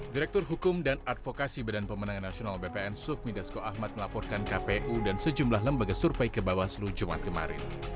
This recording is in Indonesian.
direktur hukum dan advokasi badan pemenangan nasional bpn sufmi dasko ahmad melaporkan kpu dan sejumlah lembaga survei ke bawaslu jumat kemarin